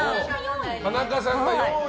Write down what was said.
田中さんが４位？